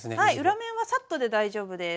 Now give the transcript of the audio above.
裏面はサッとで大丈夫です。